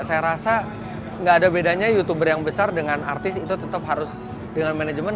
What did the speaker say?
saya rasa gak ada bedanya youtuber yang besar dengan artis itu tetap harus dengan manajemen